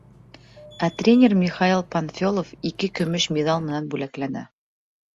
Ә тренер Михаил Панфелов ике көмөш миҙал менән бүләкләнә.